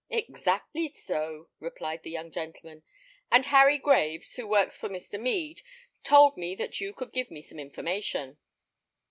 "Exactly so," replied the young gentleman; "and Harry Graves, who works for Mr. Mead, told me that you could give me some information."